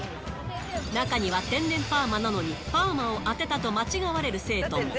中には天然パーマなのにパーマをあてたと間違われる生徒も。